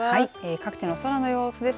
各地の空の様子です。